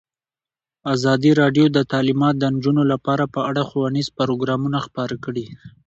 ازادي راډیو د تعلیمات د نجونو لپاره په اړه ښوونیز پروګرامونه خپاره کړي.